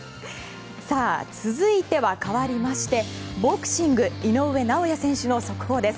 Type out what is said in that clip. さあ、続いてはかわりましてボクシング井上尚弥選手の速報です。